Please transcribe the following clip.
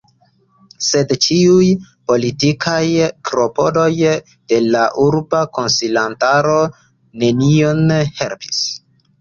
Sed ĉiuj politikaj klopodoj de la urba konsilantaro nenion helpis.